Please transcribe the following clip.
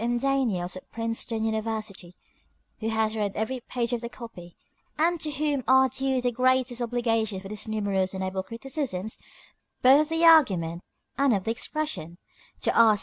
M. Daniels, of Princeton University, who has read every page of the copy, and to whom are due the greatest obligations for his numerous and able criticisms both of the argument and of the expression; to R.